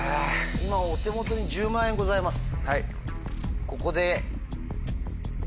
今お手元に１０万円ございます。